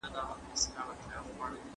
زه مخکي خبري کړي وو!!